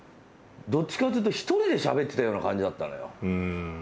どっちかというと１人でしゃべってたような感じだったのよ。